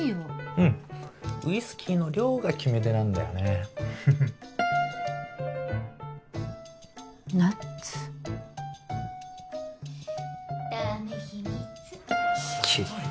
うんウイスキーの量が決め手なんだよねフフッナッツチッ！